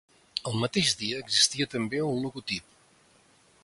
El mateix dia existia també un logotip.